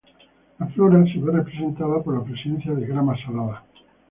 La flora se ve representada por la presencia de grama salada.